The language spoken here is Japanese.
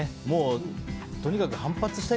とにかく反発したい。